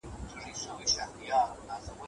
ځيني فقهاء وايي، چي طلاق په اصل کي منع دی.